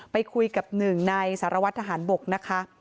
ไปคุยกับหนึ่งในสารวัตรทหารบกนะคะ